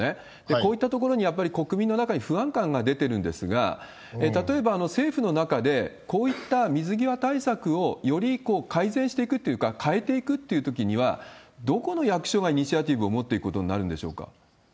こういったところにやっぱり国民の中に不安感が出てるんですが、例えば政府の中で、こういった水際対策をより改善していくっていうか、変えていくというときには、どこの国がイニシアチブを持っていくことになるんでしょうか？